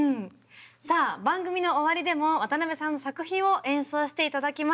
さあ番組の終わりでも渡辺さんの作品を演奏して頂きます。